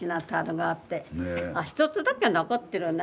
あ１つだけ残ってるな。